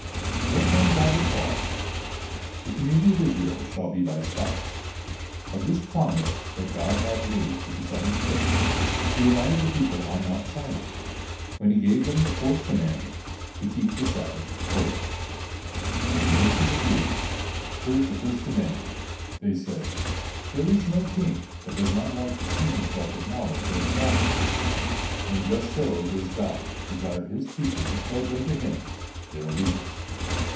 Whereupon God replied, "The community of Israel shall be thy spouse." Of this promise that God had made to the seventy day, He reminded the people on Mount Sinai, when he gave them the fourth commandment, to keep the Sabbath holy. When the nations of the earth heard the first commandment, they said: "There is no king that does not like to see himself acknowledged as sovereign, and just so does God desire His people to pledge unto Him their allegiance."